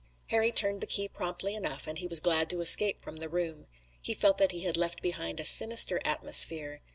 Harry turned the key promptly enough and he was glad to escape from the room. He felt that he had left behind a sinister atmosphere.